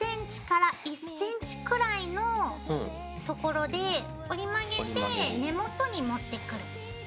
０．５ｃｍ１ｃｍくらいのところで折り曲げて根元に持ってくる。